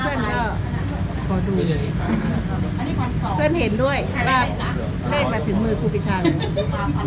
เพื่อนเห็นด้วยว่าแรกมาถึงมือครูพิชาเลย